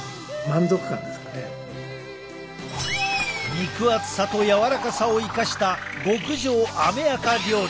肉厚さと柔らかさを生かした極上アメアカ料理。